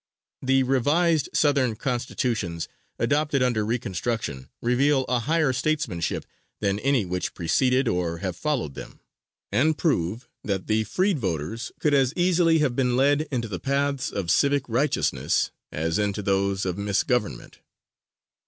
The revised Southern Constitutions adopted under reconstruction reveal a higher statesmanship than any which preceded or have followed them, and prove that the freed voters could as easily have been led into the paths of civic righteousness as into those of misgovernment.